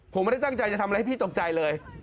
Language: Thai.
ผมไม่ได้ตั้งใจจะทำอะไรให้พี่ตกใจเลย